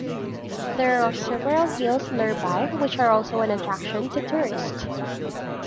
There are several hills nearby which are also an attraction to tourists.